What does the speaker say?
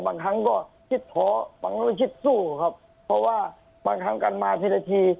บางครั้งก็คิดท้อบางเรื่องคิดสู้ครับเพราะว่าบางครั้งกันมาทีละที